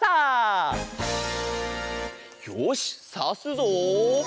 よしさすぞ。